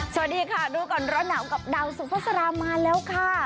สวัสดีค่ะรู้ก่อนร้อนหนาวกับดาวสุภาษามาแล้วค่ะ